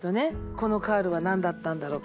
このカールは何だったんだろう